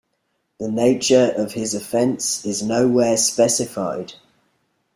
The nature of his offence is nowhere specified.